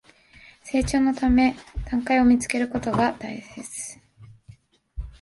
成長のための階段を見つけることが大事